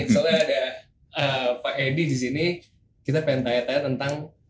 soalnya ada pak edi di sini kita pengen tanya tanya tentang